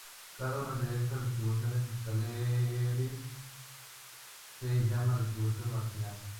Cada una de estas distribuciones escalares se llama distribución marginal.